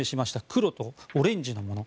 黒とオレンジのもの。